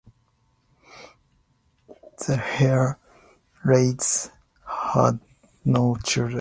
The Hartleys had no children.